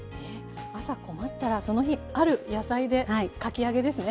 朝困ったらその日ある野菜でかき揚げですね！